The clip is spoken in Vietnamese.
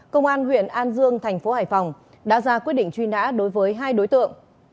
công an huyện an dương thành phố hải phòng đã ra quyết định truy nã đối với hai đối tượng